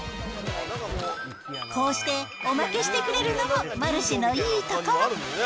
こうして、おまけしてくれるのもマルシェのいいところ。